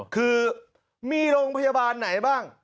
คือมีโรงพยาบาลไหนบ้าง